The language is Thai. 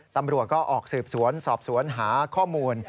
ตำรวจก็ออกสืบสวนสอบสวนหาข้อมูล